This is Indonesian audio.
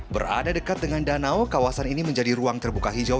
berada dekat dengan danau kawasan ini menjadi ruang terbuka hijau